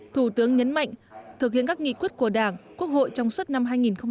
thủ tướng nhấn mạnh thực hiện các nghị quyết của đảng quốc hội trong suốt năm hai nghìn hai mươi